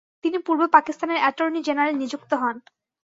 তিনি পূর্ব পাকিস্তানের attorney general নিযুক্ত হন।